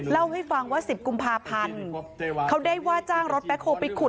เล่าให้ฟังว่า๑๐กุมภาพันธ์เขาได้ว่าจ้างรถแบ็คโฮลไปขุด